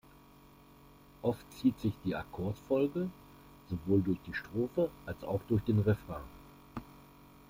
Oft zieht sich die Akkordfolge sowohl durch die Strophe als auch den Refrain.